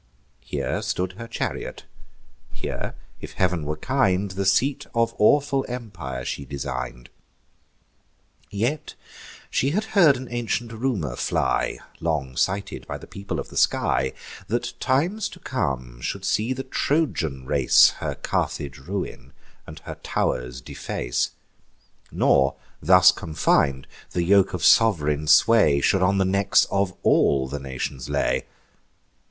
Here stood her chariot; here, if Heav'n were kind, The seat of awful empire she design'd. Yet she had heard an ancient rumour fly, (Long cited by the people of the sky,) That times to come should see the Trojan race Her Carthage ruin, and her tow'rs deface; Nor thus confin'd, the yoke of sov'reign sway Should on the necks of all the nations lay.